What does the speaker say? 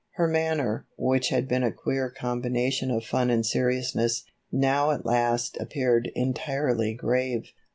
Her manner, which had been a queer combination of fun and seriousness, now at last appeared entirely grave.